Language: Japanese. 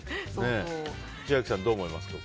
千秋さん、これどう思いますか？